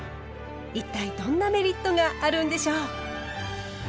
一体どんなメリットがあるんでしょう？